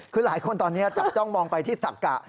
คือหลายคนตอนนี้จับจ้องมองไปที่ตักกะ